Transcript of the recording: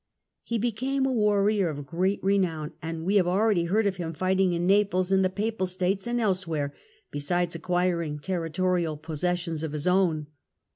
He became a warrior of great renown, and we have already heard of him fighting in Naples, in the Papal States and elsewhere, besides acquiring territorial possessions of his own.